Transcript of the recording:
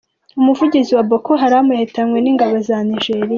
Umuvugizi wa Boko Haram yahitanywe n’ingabo za Nigeriya